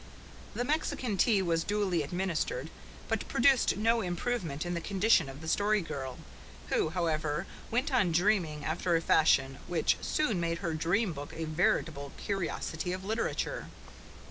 The Mexican Tea was duly administered, but produced no improvement in the condition of the Story Girl, who, however, went on dreaming after a fashion which soon made her dream book a veritable curiosity of literature.